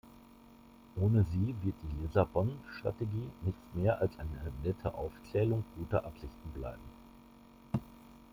Ohne sie wird die Lissabon-Strategie nichts mehr als ein nette Aufzählung guter Absichten bleiben.